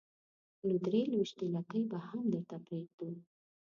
نو درې لوېشتې لکۍ به هم درته پرېږدو.